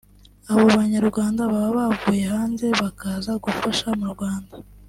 Abo banyarwanda baba bavuye hanze bakaza gufasha mu Rwanda